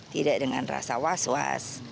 tidak dengan rasa was was